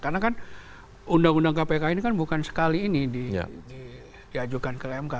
karena kan undang undang kpk ini kan bukan sekali ini diajukan ke mk